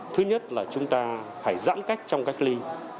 thứ nhất là chúng ta phải giãn cách trong cách ly